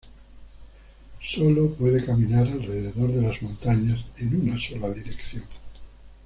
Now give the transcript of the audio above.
Solo puede caminar alrededor de las montañas en una sola dirección.